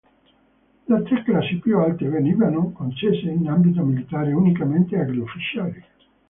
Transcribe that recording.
Le tre classi più alte venivano concesse in ambito militare unicamente agli ufficiali.